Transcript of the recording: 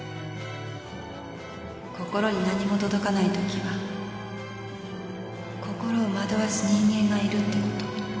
心に何も届かないときは心を惑わす人間がいるってことを